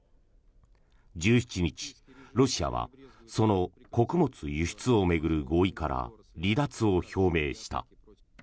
１７日、ロシアはその穀物輸出を巡る合意から離脱を表明した。